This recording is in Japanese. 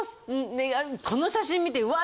この写真見てうわ！